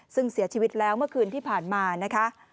ซึ่งเสียชีวิตแล้วเมื่อคืนที่ผ่านมานะคะ